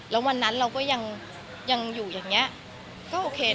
แล้ววันนั้นเราก็ยังอยู่อย่างนี้ก็โอเค